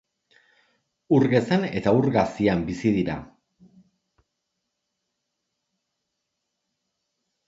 Ur gezan eta ur gazian bizi dira.